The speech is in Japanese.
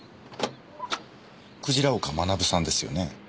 鯨岡学さんですよね？